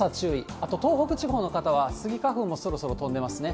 あと、東北地方の方はスギ花粉もそろそろ飛んでますね。